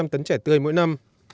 một ba trăm linh tấn trẻ tươi mỗi năm